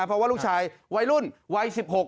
เพราะว่าลูกชายวัยรุ่นวัย๑๖